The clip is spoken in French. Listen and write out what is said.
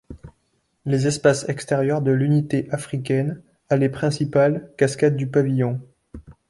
Les espaces extérieur de l'unité africaine, allée Principale, Cascade du Pavillon.